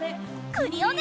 クリオネ！